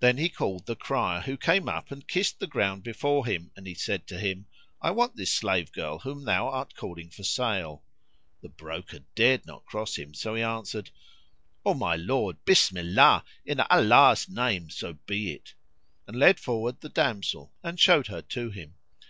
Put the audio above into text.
Then he called the crier, who came up and kissed the ground before him; and he said to him, "I want this slave girl whom thou art calling for sale." The broker dared not cross him, so he answered, "O my lord, Bismillah! in Allah's name so be it;" and led forward the damsel and showed her to him.